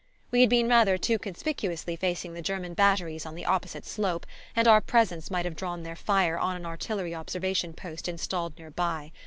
We had been rather too conspicuously facing the German batteries on the opposite slope, and our presence might have drawn their fire on an artillery observation post installed near by.